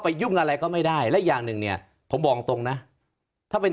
ยุ่งอะไรก็ไม่ได้และอย่างหนึ่งเนี่ยผมบอกตรงนะถ้าเป็น